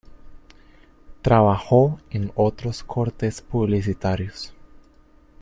Trabajó en otros cortes publicitarios.